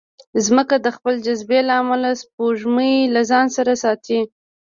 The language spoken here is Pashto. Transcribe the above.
مځکه د خپل جاذبې له امله سپوږمۍ له ځانه سره ساتي.